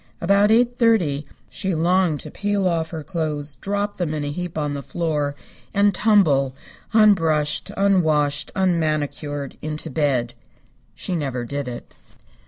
About eight thirty she longed to peel off her clothes, drop them in a heap on the floor, and tumble, unbrushed, unwashed, unmanicured, into bed. She never did it.